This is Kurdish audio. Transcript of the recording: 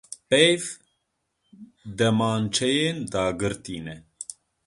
Peyv, demançeyên dagirtî ne.